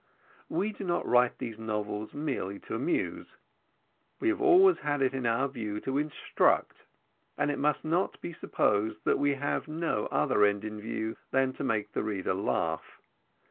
We do not write these novels merely to amuse, we have always had it in our view to instruct, and it must not be supposed that we have no other end in view than to make the reader laugh.